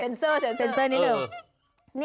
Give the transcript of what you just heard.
แฮงเซอร์แฮงเซอร์นิดนึง